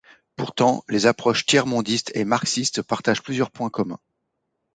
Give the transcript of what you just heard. Pourtant, les approches tiers-mondistes et marxistes partagent plusieurs points communs.